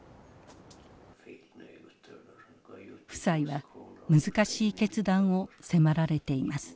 夫妻は難しい決断を迫られています。